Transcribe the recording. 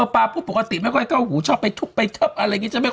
อ่อป่าพูดปกติไม่ค่อยเข้าหูชอบไปทุกข์ไปชับอะไรงี้จะไม่ค่อย